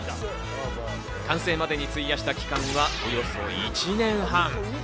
完成までに費やした期間は、およそ１年半。